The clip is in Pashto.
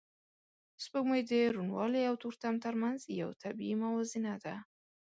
سپوږمۍ د روڼوالی او تورتم تر منځ یو طبیعي موازنه ده